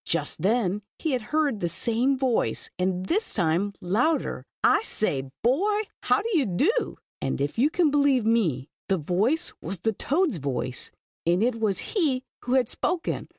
Just then he again heard the same voice, and this time louder : The Toad. J J " I said, boy, how do you do ?" And if you can believe me. the voice was the toad's voice, and it was he who had spoken